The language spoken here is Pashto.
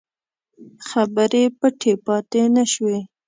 خبرې پټې پاته نه شوې.